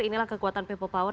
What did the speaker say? inilah kekuatan people power